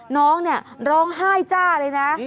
น้องเนี่ยร้องไห้จ้าเลยนะ